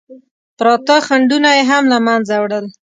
پراته خنډونه یې هم له منځه وړل.